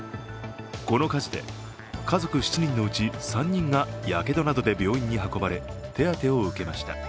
この火事で家族７人のうち３人がやけどなどで病院に運ばれ手当を受けました。